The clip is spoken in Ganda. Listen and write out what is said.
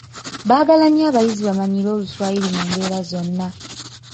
Baagala nnyo abayizi bamanyiire Oluswayiri mu mbeera zonna.